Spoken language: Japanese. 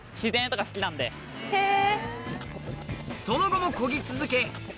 その後もこぎ続け